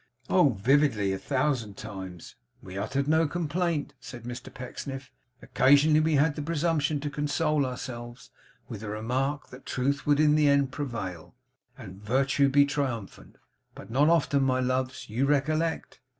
Oh vividly! A thousand times! 'We uttered no complaint,' said Mr Pecksniff. 'Occasionally we had the presumption to console ourselves with the remark that Truth would in the end prevail, and Virtue be triumphant; but not often. My loves, you recollect?